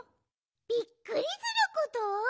びっくりすること？